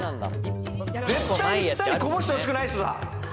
絶対に下にこぼして欲しくない人だ。